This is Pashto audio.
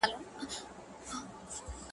چي کله به کړي بنده کورونا په کرنتین کي-